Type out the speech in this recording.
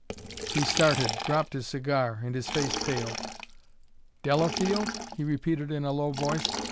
He started, dropped his cigar, and his face paled. "Delafield?" he repeated in a low voice.